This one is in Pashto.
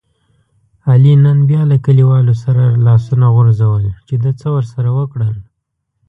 علي نن بیا له کلیوالو سره لاسونه غورځول چې ده څه ورسره وکړل.